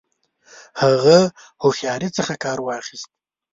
هغه هوښیاري څخه کار واخیست.